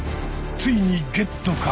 ついにゲットか！？